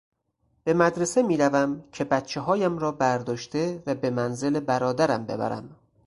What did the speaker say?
به مدرسه میروم که بچههایم را برداشته و به منزل برادرم ببرم.